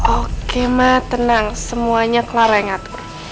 oke mak tenang semuanya clara yang ngatur